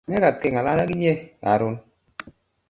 Mekat ke ng'alan ak inye karon